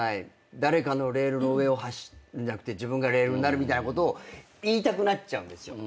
誰かのレールの上を走るんじゃなくて自分がレールになるみたいなことを言いたくなっちゃうんですよ。